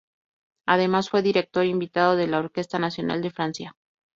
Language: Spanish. Además fue director invitado de la Orquesta Nacional de Francia.